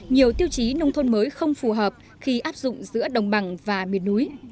nhiều tiêu chí nông thôn mới không phù hợp khi áp dụng giữa đồng bằng và miền núi